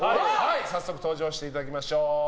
早速登場していただきます。